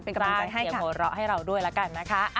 เป็นกำลังใจให้ค่ะจ้าเดี๋ยวโหละให้เราด้วยแล้วกันนะคะ